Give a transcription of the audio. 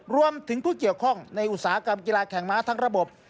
รวมถึงผู้เกี่ยวข้องในอุตสาหกรรมกีฬาแข่งม้าทั้งระบบ